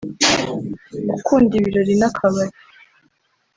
Gukunda ibirori n’akabari